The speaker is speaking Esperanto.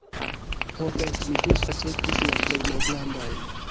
Ho fek, mi ĵus aĉetis la plej malgrandajn.